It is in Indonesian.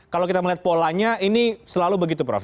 kalau kita melihat polanya ini selalu begitu prof